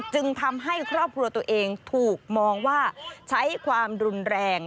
จึงทำให้ครอบครัวตัวเองถูกมองว่าใช้ความรุนแรง